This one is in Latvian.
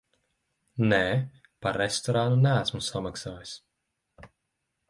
Nē, par restorānu neesmu samaksājis.